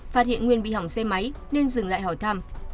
phát hiện nguyên bị hỏng xe máy nên dừng lại hỏi thăm